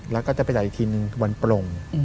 แล้วก็จะไปจ่ายอีกทีนึงวันปลง